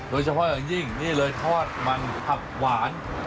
โดยเฉพาะอย่างยิ่งนี่เลยทอดมันผักหวาน